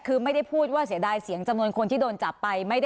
คือไม่ได้พูดว่าเสียดายเสียงจำนวนคนที่โดนจับไป